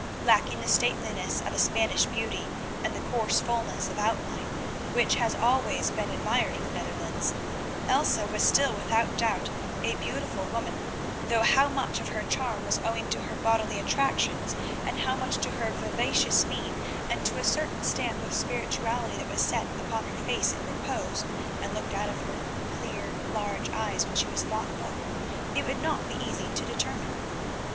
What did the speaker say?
Lacking the stateliness of a Spanish beauty, and the coarse fulness of outline which has always been admired in the Netherlands, Elsa was still without doubt a beautiful woman, though how much of her charm was owing to her bodily attractions, and how much to her vivacious mien and to a certain stamp of spirituality that was set upon her face in repose, and looked out of her clear large eyes when she was thoughtful, it would not be easy to determine.